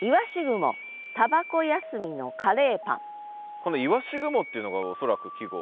この「鰯雲」っていうのが恐らく季語。